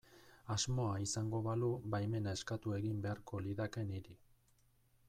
Asmoa izango balu baimena eskatu egin beharko lidake niri.